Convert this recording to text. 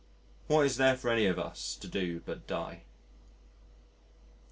What is there for any of us to do but die?